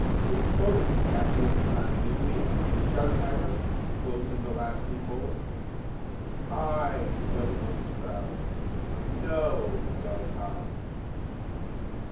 "Luke Fodick is captain of this nine; isn't he?" shouted Hiram, closing the last loophole. "Aye!" yelled the bully's crowd. "No!" yelled Tom's.